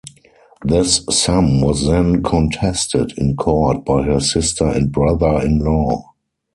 This sum was then contested in court by her sister and brother-in-law.